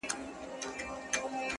خو که دې لږ عاجزي او کمزوري وښوده